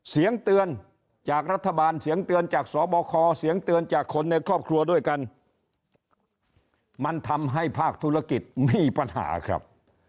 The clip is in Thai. เสียงเตือนจากรัฐบาลเสียงเตือนจากสบคเสียงเตือนจากคนในครอบครัวด้วยกันมันทำให้ภาคธุรกิจมีปัญหาครับ